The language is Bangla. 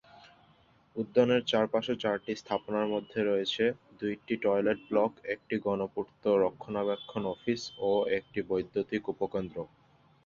উদ্যানের চারপাশে চারটি স্থাপনার মধ্যে রয়েছে, দুইটি টয়লেট ব্লক, একটি গণপূর্ত রক্ষণাবেক্ষণ অফিস ও একটি বৈদ্যুতিক উপকেন্দ্র।